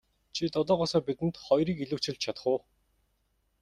Чи долоогоосоо бидэнд хоёрыг илүүчилж чадах уу.